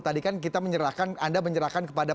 tadi kan anda menyerahkan kepada